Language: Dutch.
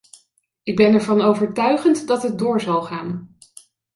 Ik ben ervan overtuigend dat het zal doorgaan.